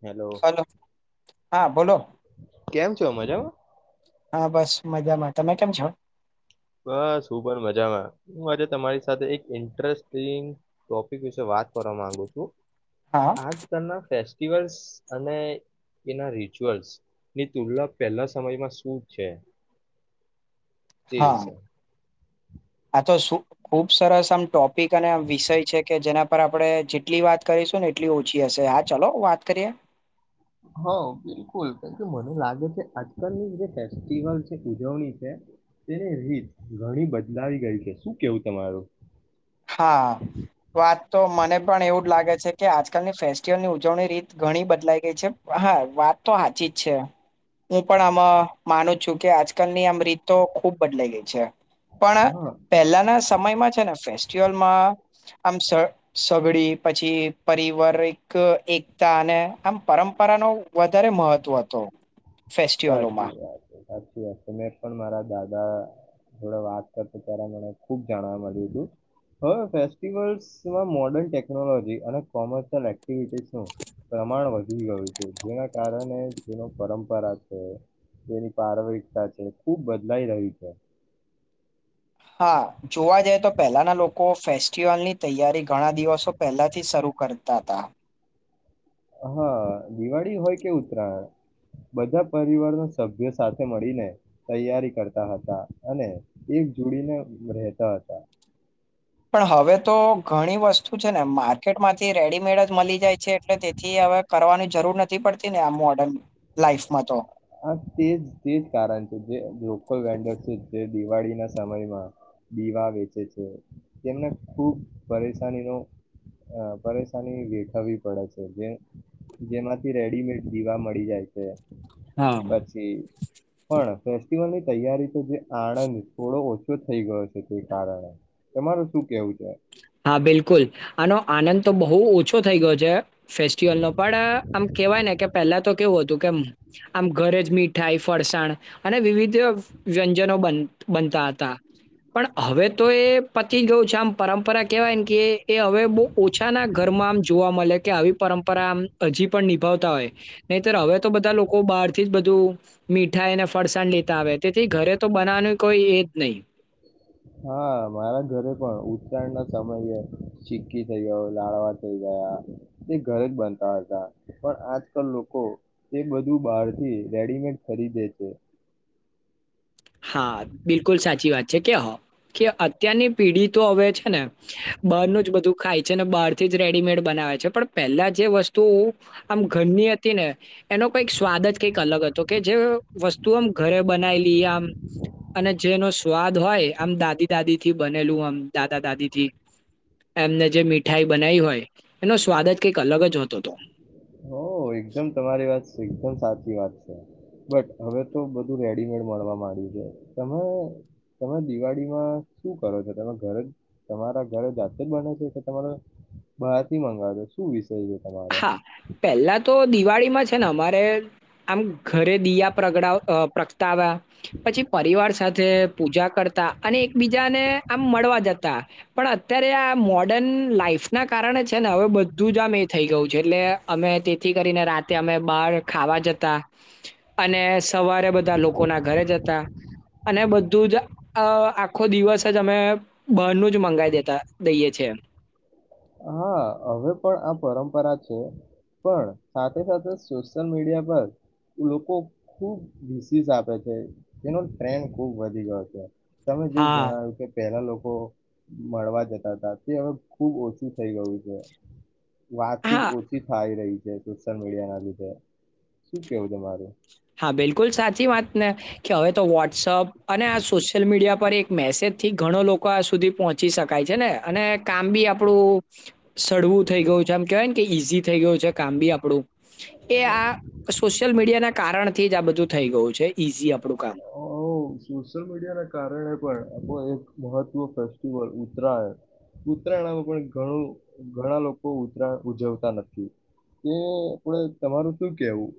Hello હા બોલો કેમ છો મજામાં હા બસ મજામાં તમે કેમ છો બસ હું પણ મજામાં હું આજે તમારી સાથે એક ઇન્ટરેસ્ટિંગ ટોપિક વિશે વાત કરવા માંગુ છું હા આજ કરના ફેસ્ટ િવલ્સ અને એના રિચ્યુઅલ્સની તુલના પહેલા સમયમાં શું છે તે હા વિષય આ તો ખુબ સરસ આમ ટોપ અને વિષય છે કે જેના પર આપડણે જેટલી વાત કરીશું ને એટલી ઓછી હશે હા ચાલો વાત કરીએ હ બિલકુલ મને લાગે છે આજકાલની જે ફેસ્ટિવલ છે ઉજવણી છે તેની રીત ઘણી બદલાવી ગઈ છે શું કેવું તમારું હા વાત તો મને પણ એવું જ લાગે છે કે આજકાલની ફેસ્ટિવલની ઉજવણી રીત ઘણી બદલાઈ ગઈ છે હા વાત તો સાાચી જ છે હું પણ આમ માનું છું કે આજકાલની આમ રીત તો ખુબ બદલાઈ ગઈ છે પણ હા પહેલાના સમયમાં છે ને ફેશન માં આમ સગડી પછી પારિવારિક એકતા અને આમ પરંપરાનો વધારે મહત્વ હતો ફેસ્ટિવલોમાં સાચી વાત સાચી એમે પણ મારા દાદા જોડે વાત કરતા ત્યારે મને ખુબ જાણવા મળ્યું હતું હવે ફેસ્ટિવલ્સમાં મોર્ડર્ન ટેકનોલોજી અને કોમર્શિયલ એક્ટિવિટીસનું પ્રમાણ વધી ગયું હતું જેના કારણે જેનો પરંપરા તેની પારરિકતા છે ખુબ બદલાઈ રહી છે હા જોવા જઈ તો પહેલાના લોકો ફેસ્ટિવલની તૈયારી ઘણા દિવસો પહેલાથી શરૂ કરતા હતા હા દિવાળી હોય કે ઉતરાયણ બધા પરિવારના સભ્યો સાથે મળીને તૈયારી કરતા હતા અને એક જોડીને રહેતા હતા પણ હવે તો ઘણી વસ્તુ છે ને માર્કેટ માંથી રેડીમેડ જ મળી જાય છે એટલે તેથી હવે કરવાની જરૂર નથી પડતી ને આ મોર્ડન લાઈફમાં તો હા તેજ તે જ કારણ છે જે લોકલ વેન્ડર છે જે દિવાળીના સમયમાં દીવા વેચે છે તેમને ખૂબ પરેશાનીનો પરેશાની વેઠવવી પડે છે જે જેમાંથી રેડીમેડ દીવા મળી જાય છે હા પછી પણ ની તૈયારી તો જે આણંદ થોડો ઓછો થઈ ગયો છે તે કારણે તમાર શું કેવું છે હા બિલકુલ આનો આનંદ તો બહુ ઓછો થઈ ગયો છે ફેસ્ટિવલ નો પણ આમ કેહેવાય ને કે પહેલા તો કેવું હતું કે આમ ઘરે જ મીઠાઈ ફરસાણ અને વિવિધ વ્યંજનો બનતા હતા પણ હવે તો એ પતી ગયયો [inaudible] પરંપરા કેહેવાય ને કે એ હવે બહુ ઓછાના ઘરમાં આમ જોવા મળે કે આવી પરંપરા આમ હજી પણ નિભાવતા હોય નહીત હવે તો બધા લોકો બહાર થી જ બધું મીઠાઈને ફરસાણ લેતા આવે તેથી ઘરે તો બનાવવાનું કોઈ એ જ નહીિ હા મારા ઘરે પણ ઉત્રાણના સમયે સિક્કી થઈ ગયો લાડવા થઈ ગયા તે ઘરે જ બનતા હતા પણ આજકાલ લોકો એ બધું બહારથી રેડીમેડ ખરીદે છે હા બિલકુલ સાચી વાત છે કે હ કે અત્યારની પેઢી તો હવે છે ને બારનું જ બધું ખાય છે ને બહારથી જ રેડીમેડ બનાવે છે પણ પહેલા જે વસ્તુ આમ ઘરની હતી ને એનો કઈક સ્વાદ જ કંઈક અલગ હતો તો કે જે વસ્તુ આમ ઘરે બનાયલી આમ અને જેનો સ્વાદ હોય આમ દાદી દાદી થી બનેલું આમ દાદા દાદી થી એમને જે મીઠાઈ બનાવી હોય એનો સ્વાદ જ કંઈક અલગ જ હતો હતો હ એકદમ તમારી વાત એકદમ સાચી વાત છે બટ હવે તો બધું રેડીમેડ મળવા માંડ્યું છે તમે તમે દિવાળીમાં શું કરો છો તમે ઘરે જ તમારા ઘરે જાતે જ બને છે કે તમારો બહાર થી મંગાવોજો શું વિ સ તમામારે હા, પહેલા તો દિવાળીમાં છે ને અમારે આમ ઘરે દીયા પ્રગડાવ પ્રગટાવ્યા પછી પરિવાર સાથે પૂજા કરતા અને એકબીજાને આમ મળવા જતા પણ અત્યારે આ મોર્ડન લાઈફ ના કારણે છે ને હવે બધું જ આમ થઈ ગયું છે એટલે અમે તેથી કરીને રાતે અમે બહાર ખાવા જતા અને સવારે બધા લોકોના ઘરે જતા અને બધું જ આખો દિવસ જ અમે બારનું જ મંગાવાઈ દેતા દઈએ છ છેએ હા હવે પણ આ પરંપરા છે પણ સાથે સાથે સોશિયલ મીડિયા પર લોકો ખુબ વિીસીસ આપે છે એનો ટ્રેન્ડ ખુબ વધી ગયો છે તમે જેવું હા. જણાવ્યું કે પેલા લોકો મળવા જતા હતા તે હવે ખુબ ઓછું શું થઇ ગયું છે વાતચીત હા, ઓછી થાય રહી છે સોશિયલ મીડિયા ના લીધે શું કેવું તમારું હા બિલકુલ સાચી વાત ને કે હવે તો વોટ્સઅપ અને આ સોશિયલ મીડિયા પર એક મેસેજથી ઘણો લોકો આ સુધી પહોંચી શકાય છે ને અને કામ બી આપણું સળવું થઈ ગયું છે આમ કેહેવાય ને કે ઈઝી થઈ ગયું છે કામ બી આપણું એ આ સોશિયલ મીડિયા ના થી જ આ બધું થઈ ગયું છે ઈઝી આપણું કામ હ સોશિયલ મીડિયા ના કારણ એ પણ આપો એક મહત્વ ફેસ્ટિવલ ઉત્તરાયણ ઉત્તરાયણમાં પણણું ઘણા લોકો ઉત્તરાયણ ઉજવતા નથી એ આપણે તમારું શું કેવું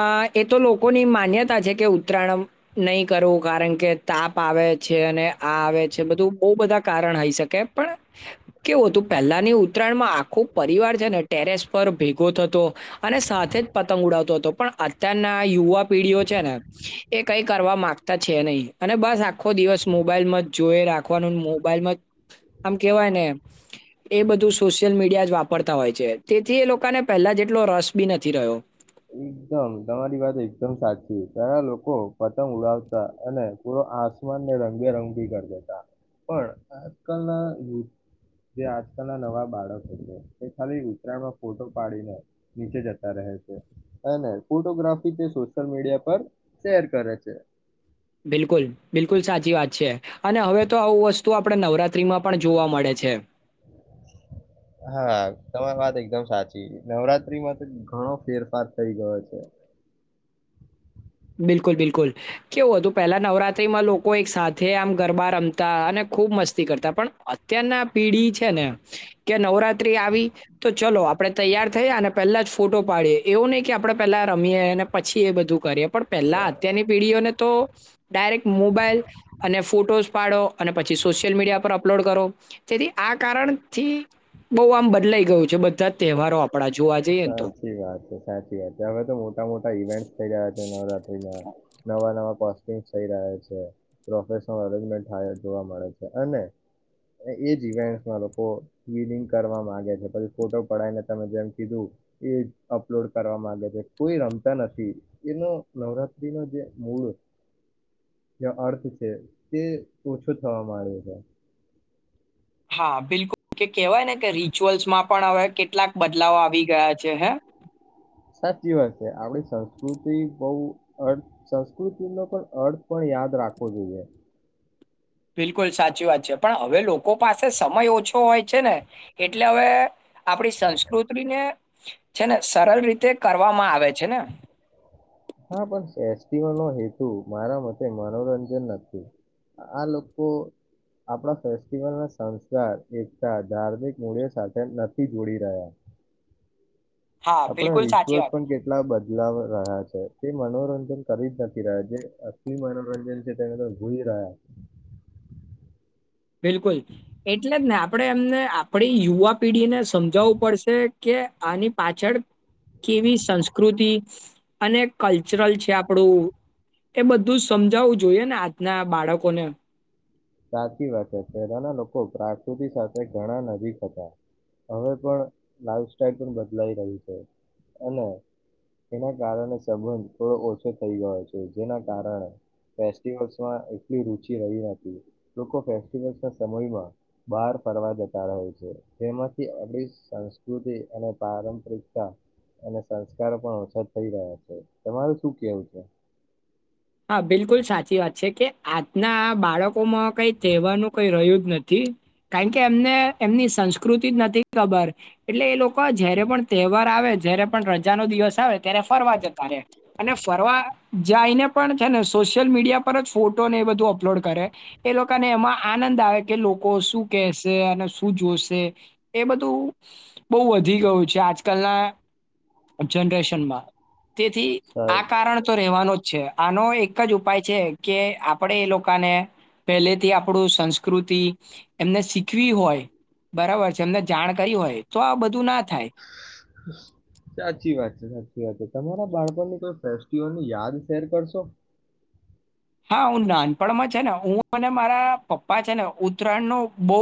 અ એ તો લોકોની માન્યતા છે કે ઉત્તરાયણ નહી કરવું કારણ કે તાપ આવે છે અને આ આવે છે બધું બહુ બધા કારણ હઈ શકે પણ કેવું હતું પહેલાની ઉત્તરાયણમાં આખો પરિવાર છે ને ટેરેસ પર ભેગો થતો અને સાથે જ પતંગ ઉડાવતો હતો પણ અત્યારના યુવા પેઢીઓ છે ને એ કઈ કરવા માંગતા છે નહીિ અને બસ આખો દિવસ મોબાઈલ માં જ જોઈ રાખવાનું મોબાઈલમાં આમ કેહેવાય ને એ બધું સોશિયલ મીડિયા જ વાપરતા હોય છે તેથી એ લોકોને પહેલા જેટલો રસ બી નથી રહ્યો એકદમ તમારી વાત એકદમ સાચી તાર લોકો પતંગ ઉડાવતા અને પૂરો આસમાનને રંગેરંગી કરી દેતા પણ આજકાલનાુ જે આજકાલના નવા બાળકો છે તે ખાલી ઉત્તરાયણમાં ફોટો પાડીને નીચે જતા રહે છે અને ફોટોગ્રાફી તે સોશિયલ મીડિયા પર શેર કરે છે બિલકુલ બિલકુલ સાચી વાત છે અને હવે તો આવું વસ્તુ આપણે નવરાત્રીમાં પણ જોવા મળે છે હા તમારી વાત એકદમ સાચી નવરાત્રીમાં તો ઘણો ફેરફાર થઈ ગયો છે બિલકુલ બિલકુલ કેવું હતું પહેલા નવરાત્રીમાં લોકો એક સાથે આમ ગરબા રમતા અને ખૂબ મસ્તી કરતા પણ અત્યારના પેઢી છે ને કે નવરાત્રી આવી તો ચલો આપણે તૈયાર થઈ અને પહેલા જ ફોટો પાડીએ એવું નહીિ કે આપડણે પેલા રમીએ અને પછી એ બધું કરીએ પણ પેલા સા અત્યારની પીઢીઓને તો ડાયરેક્ટ મોબાઈલ અને ફોટોઝ પાડો અને પછી સોશિયલ મીડિયા પર અપલોડ કરો તેથી આ કારણથી બહ આમ બદલાઈ ગયું છે બધા તહેવારો આપણા જોવા જઈએ ને તો. સાચી વાત છે સાચી વાત છે હવે તો મોટા મોટા ઈવેન્ટ થઈ રહ્યા છે નવરાત્ર નવા કોમ થઈ રહ છે પ્રોફેશનજમેન્ટ જોવા મળે છે અને એજ ઇવેન્ટ લોકો રીડિંગ કરવા ગે છે પછી ફોટો પડાયને તમે જેમ કીધું એ અપલોડ કરવા માંગે છે કોઈ રમતા નથી એનો નવરાત્ર્રી ન જે મૂળ જે અર્થ છે તે ઓછો થવા માંડ્યું છે હા બિલકુલ કે કહેવાય ને કે રિચ્યુઅલ્સમાં પણ હવે કેટલાક બદલાવ આવી ગયા છે હે સાચી વાત છે આપણી સંસ્કૃતિ બહ અર્થ સંસ્કૃતિ ન પણ અર્થ પણ યાદ રાખવો જોઈએ બિલકુલ સાચી વાત છે પણ હવે લોકો પાસે સમય ઓછો હોય છે ને એટલે હવે આપણી સંસ્કૃતિને છેને સરળ રીતે કરવામાં આવે છે ને હા પણ ફેસ્ટિવલનોો હેતુ મારા મતે મનોરંજન નથી આ લોકો આપણા ફેસ્ટિવલ ના સંસ્કાર એકતા ધાર્મિક મૂલ્યો સાથે નથી જોડી રહ્યા હા, આપણા બિલકુલ સાચી રિચ્યુઅલ્સ વાત. પણ કેટલા બદલાવ રહ્યા છે તે મનોરંજન કરી જ નથી રહ્યા જે અતિ મનોરંજન છે તેમે તો ભઈ રહ્યા બિલકુલ એટલે જ ને આપણે એમને આપણી યુવા પેઢીને સમજાવવું પડશે કે આની પાછળ કેવી સંસ્કૃતિ અને કલ્ચરલ છે આપણું એ બધું સમજાવવું જોઈએ ને આજના બાળકોને સાચી પહેલાના લોકો પ્રાકૃતિ સાથે ઘણા નજીક હતા હવે પણ લાઈફ સાઈલ પણ બદલાઈ રહી છે અને એના કારણે સંબંધ થોડો ઓછો થઈ ગયો છે જેના કારણે ફેસ્ટમાં એટલી રુચિ રહી નથી લોકો ફેસ્ટિવલસ ના સમયમાં બહાર ફરવા જતા રહ છે જેમાંથી અ સંસ્કૃતિ અને પારંપરિકતા અને સંસ્કારો પણ ઓછા થઈ રહ્યા છે તમારું શું કેવું છે હા બિલકુલ સાચી વાત છે કે આજના બાળકોમાં કઈ તહેવાર ન કઈ રહ્યું જ નથી કારણ કે એમને એમની સંસ્કૃતિ જ નથી ખબર એટલે એ લોકો જય્યારે પણ તહેવાર આવે જય્યારે પણ રજાનો દિવસ આવે અત્યારે ફરવા જતા અને ફરવા જાય ને પણ છે ને સોશિયલ મીડિયા પર જ ફોટોને એ બધું અપલોડ કરે એ લોકોને એમાં આનંદ આવે કે લોકો શું કહેશે અને શું જોશે એ બધું બહુ વધી ગયું છે આજકાલના જનરેશનમાં તેથી આ સા- કારણ તો રહેવાનો પ છેછ આનો એક જ ઉપાય છે કે આપણે એ લોકોને પહેલેથી આપણું સંસ્કૃતિ એમને શીખવી હોય બરાબર છે એમને જાણ કરી હોય તો આ બધું ના થાય સાચી વાત છે સાચી વાત છે તમારા બાળપણની કોઈ ફેસ્ટિવલ યાદ શેર કરશો હા હું નાનપણમાં છે ને હું અને મારા પપ્પા છે ને ઉત્તરાયણ ન બહુ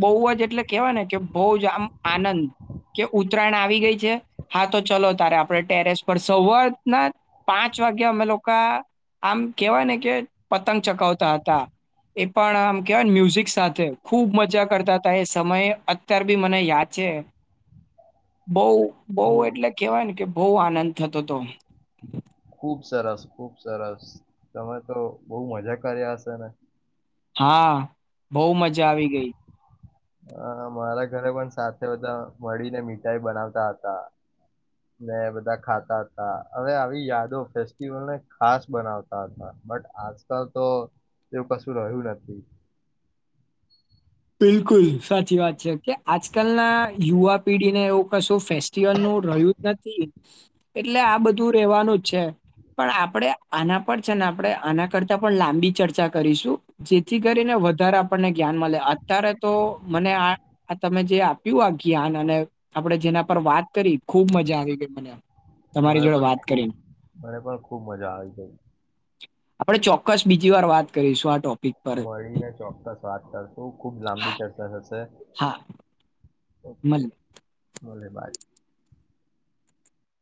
બહુ જ એટલે કેહેવાય ને કે બહુ જ આમ આનંદ કે ઉત્તરાયણ આવી ગઈ છે હા તો ચલો તારે આપણે ટેરેસ પર સવારના પાંચ વાગે અમે લોકો આમ કેહેવાય ને કે પતંગ ચકાવતા હતા એ પણ આમ કેહેવાય મ્યુઝિક સાથે ખૂબ મજા કરતા હતા એ સમય અત્યાર બી મને યાદ છે બહ બહ ખૂબ એટલે કેવાય ને કે બહ આનંદ થતો હતો ખુબ સરસ ખુબ સરસ તમે તો બહુ મજા કર્યા હશે ને હા બહ મજા આવી ગઈ અ મારા ઘરે પણ સાથે બધા મળીને મીઠાઈ બનાવતા હતા ને બધા ખાતા હતા હવે આવી યાદો ફેસ્ટિવલને ખાસ બનાવતા હતા બટ આજકાલ તો એવું કશું રહ્યું નથી બિલકુલ સાચી વાત છે કે આજકાલના યુવા પેઢીને એવું કશું ફેસ્ટિવલ નું રહ્યું જ નથી એટલે આ બધું રહેવાનું જ છે પણ આપણે આના પર છે ને આપણે આના કરતાં પણ લાંબી ચર્ચા કરીશું જેથી કરીને વધારે આપણને જ્ઞાન મળે અત્યારે તો મને આ તમે જે આપ્યું આ જ્ઞાન અને આપડણે જેના પર વાત કરી ખુબ મજા આવી ગઈ મને તમારી મને જોડે પણ વાત ખૂબ કરીને મને પણ ખૂબ મજા આવી ગઈ આપણે ચોક્કસ બીજી વાર વાત કરીશું આટો મળીને ચોક્કસ વાત કરશું ખૂબ લાંબી ચર્ચા થશે હા મળલ ઓલે ભાઈ